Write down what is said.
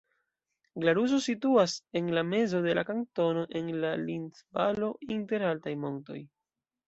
Glaruso situas en la mezo de la kantono en la Linth-Valo inter altaj montoj.